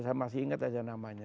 saya masih ingat aja namanya